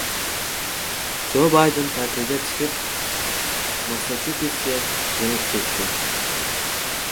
Jo Bayden ta’tilga chiqib, Massachusetsga jo‘nab ketdi